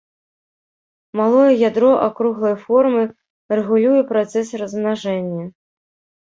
Малое ядро акруглай формы рэгулюе працэс размнажэння.